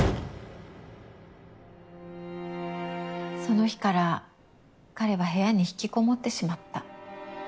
その日から彼は部屋に引きこもってしまった。